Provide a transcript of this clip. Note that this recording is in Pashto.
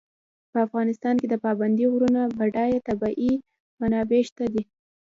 په افغانستان کې د پابندي غرونو بډایه طبیعي منابع شته دي.